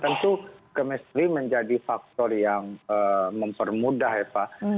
tentu chemistry menjadi faktor yang mempermudah ya pak